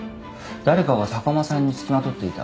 誰かが坂間さんに付きまとっていた。